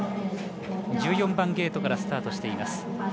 １４番ゲートからスタートしています。